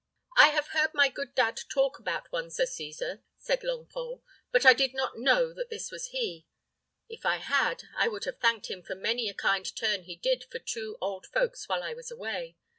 "I have heard my good dad talk about one Sir Cesar," said Longpole, "but I did not know that this was he. If I had I would have thanked him for many a kind turn he did for the two old folks while I was away.